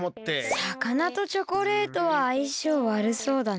魚とチョコレートはあいしょうわるそうだね。